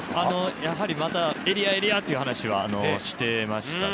◆やはり、エリア、エリアという話はしていましたね。